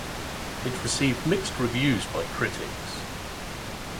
It received mixed reviews by critics.